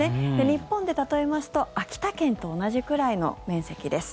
日本で例えますと秋田県と同じくらいの面積です。